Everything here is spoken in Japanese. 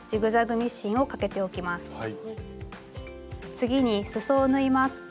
次にすそを縫います。